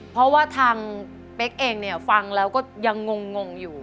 เพราะว่าทางเป๊กเองเนี่ยฟังแล้วก็ยังงงอยู่